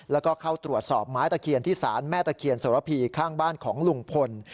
แล้วก็เข้าตรวจสอบไม้ตะเคียนที่ศาลแม่ตะเคียนโสระพีข้างบ้านของลุงพล